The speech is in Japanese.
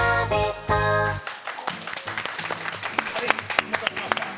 お待たせしました。